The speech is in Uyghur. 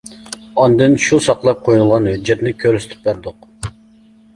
ئاندىن شۇ ساقلاپ قويغان ھۆججەتنى كۆرسىتىپ بەردۇق.